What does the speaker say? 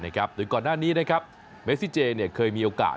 โดยก่อนหน้านี้เมซิเจเคยมีโอกาส